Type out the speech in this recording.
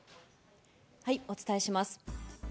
お伝えします。